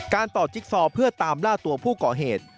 ต่อจิ๊กซอเพื่อตามล่าตัวผู้ก่อเหตุ